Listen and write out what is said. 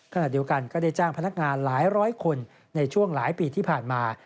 ขณะเดียวกันก็ได้จ้างพนักงานหลายร้อยคนในช่วงหลายปีที่ผ่านมา